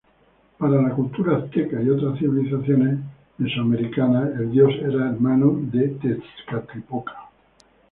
Para la cultura azteca y otras civilizaciones mesoamericanas, el dios era hermano de Tezcatlipoca.